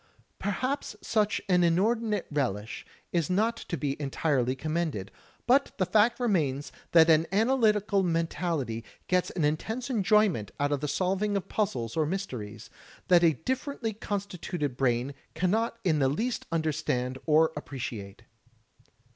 Perhaps such an inordinate relish is not to be entirely commended, but the fact remains that an analytical men tality gets an intense enjoyment out of the solving of puzzles or mysteries, that a differently constituted brain cannot in the least imderstand or appreciate.